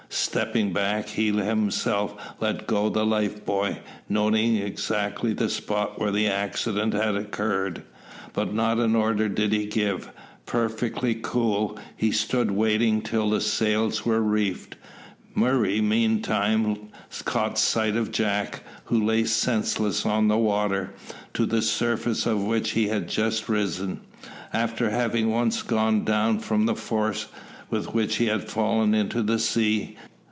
Stepping back, he himself let go the life buoy, noting exactly the spot where the accident had occurred. But not an order did he give. Perfectly cool, he stood waiting till the sails were reefed. Murray meantime caught sight of Jack, who lay senseless on the water, to the surface of which he had just risen, after having once gone down from the force with which he had fallen into the sea.